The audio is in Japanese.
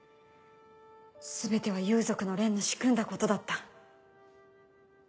全ては幽族の連の仕組んだことだった。